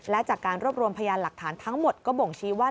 และจากการรวบรวมพยานหลักฐานทั้งหมดก็บ่งชี้ว่า